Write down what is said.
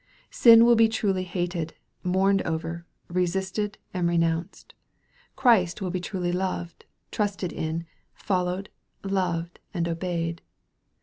Sin will be truly hated, mourned over, resisted, and renounced. Christ will be truly loved, trusted in, followed, loved, and obeyed.